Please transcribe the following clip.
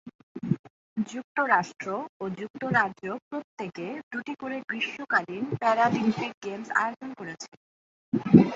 যুক্তরাষ্ট্র ও যুক্তরাজ্য প্রত্যেকে দুটি করে গ্রীষ্মকালীন প্যারালিম্পিক গেমস আয়োজন করেছে।